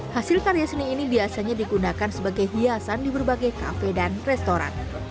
hasil karya seni ini biasanya digunakan sebagai hiasan di berbagai kafe dan restoran